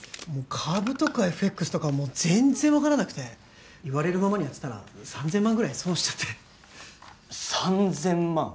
株とかＦＸとかは全然分からなくて言われるままにやってたら３０００万ぐらい損しちゃって３０００万？